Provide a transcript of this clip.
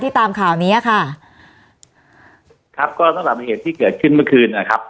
ตามข่าวเนี้ยค่ะครับก็สำหรับเหตุที่เกิดขึ้นเมื่อคืนนะครับ